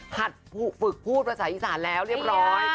ฝึกพูดภาษาอีสานแล้วเรียบร้อย